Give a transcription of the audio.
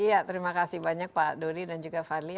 iya terima kasih banyak pak dodi dan juga fadli